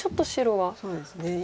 そうですね